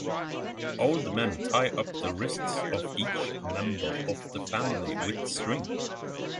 Old men tie up the wrists of each member of the family with string.